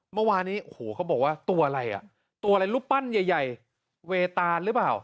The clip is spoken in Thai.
เมื่อวานี้เขาบอกว่าตัวอะไรลูปปั้นใหญ่เวตานหรือเปล่า